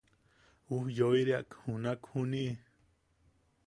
Ujyoiriak junak juniʼi.